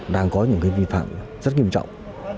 đang có những cái vi phạm rất nghiêm trọng